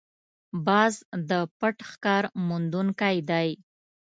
باز د پټ ښکار موندونکی دی